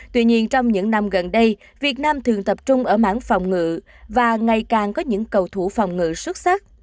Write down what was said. tuy nhiên trong những năm gần đây việt nam thường tập trung ở mảng phòng ngự và ngày càng có những cầu thủ phòng ngự xuất sắc